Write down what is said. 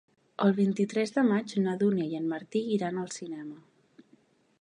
El vint-i-tres de maig na Dúnia i en Martí iran al cinema.